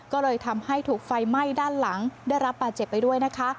ก็เลยทำให้ถูกไฟไหม้ด้านหลังได้รับบาดเจ็บไปด้วยนะคะ